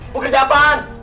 mau kerja apaan